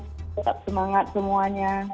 tetap semangat semuanya